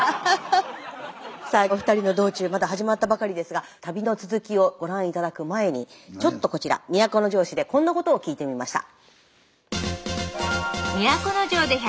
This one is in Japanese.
さあ２人の道中まだ始まったばかりですが旅の続きをご覧頂く前にちょっとこちら都城市でこんなことを聞いてみました。